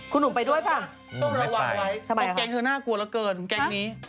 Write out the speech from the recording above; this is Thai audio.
คุณหนุ่มไปด้วยบ้างเอ้าหนุ่มไปแกงเธอน่ากลัวเหลือเกินครับ